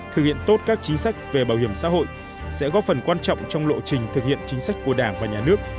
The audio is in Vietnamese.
thực hiện tốt các chính sách về bảo hiểm xã hội sẽ góp phần quan trọng trong lộ trình thực hiện chính sách của đảng và nhà nước